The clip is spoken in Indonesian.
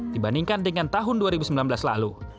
dibandingkan dengan tahun dua ribu sembilan belas lalu